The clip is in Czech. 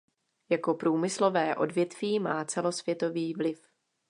Jako průmyslové odvětví má celosvětový vliv.